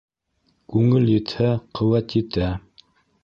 Күңел етһә, ҡеүәт етә.